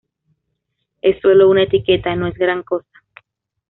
Es sólo una etiqueta, no es gran cosa.